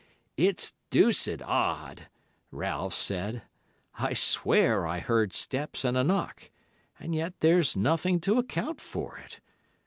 "'It's deuced odd,' Ralph said. 'I swear I heard steps and a knock, and yet there's nothing to account for it.